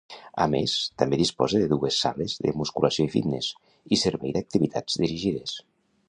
A més, també disposa de dues sales de musculació i Fitness; i servei d’Activitats Dirigides.